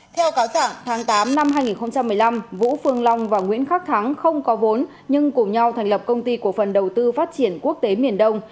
theo cáo trạng tháng tám năm hai nghìn một mươi năm vũ phương long và nguyễn khắc thắng không có vốn nhưng cùng nhau thành lập công ty cổ phần đầu tư phát triển quốc tế miền đông